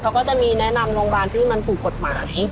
เขาก็จะมีแนะนำโรงพยาบาลที่มันถูกกฎหมาย